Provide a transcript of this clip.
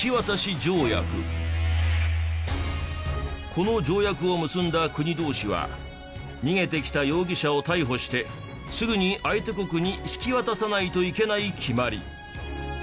この条約を結んだ国同士は逃げてきた容疑者を逮捕してすぐに相手国に引き渡さないといけない決まり。